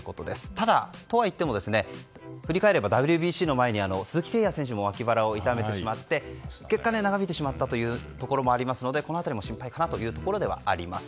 ただ、とはいっても振り返ればＷＢＣの前に鈴木誠也選手も脇腹を痛めてしまって結果、長引いてしまったというところがありましたのでこの辺りも心配かなというところではあります。